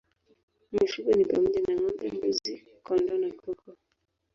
Mifugo ni pamoja na ng'ombe, mbuzi, kondoo na kuku.